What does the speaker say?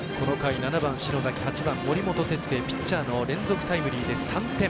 この回７番、篠崎８番、森本哲星ピッチャーの連続タイムリーで３点。